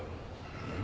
うん？